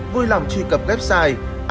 vui lòng truy cập website